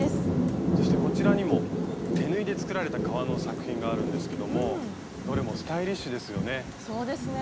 そしてこちらにも手縫いで作られた革の作品があるんですけどもどれもスタイリッシュですよね。